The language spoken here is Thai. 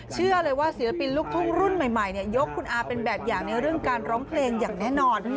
เชื่อเลยว่าศิลปินลูกทุ่งรุ่นใหม่ยกคุณอาเป็นแบบอย่างในเรื่องการร้องเพลงอย่างแน่นอน